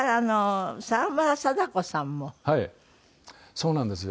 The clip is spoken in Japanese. そうなんですよ。